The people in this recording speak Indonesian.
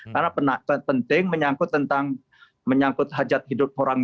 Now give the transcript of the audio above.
karena penting menyangkut tentang menyangkut hajat hidup orang